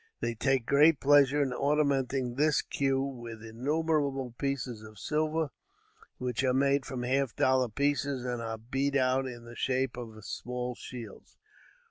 They take great pleasure in ornamenting this cue with innumerable pieces of silver, which are made from half dollar pieces, and are beat out in the shape of small shields.